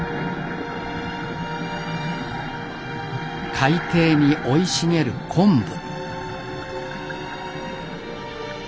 海底に生い茂る昆布。